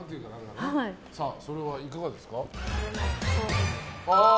それはいかがですか？